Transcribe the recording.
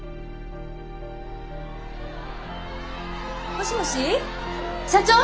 もしもし社長？